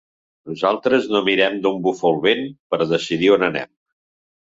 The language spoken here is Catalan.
Nosaltres no mirem d’on bufa el vent per decidir on anem.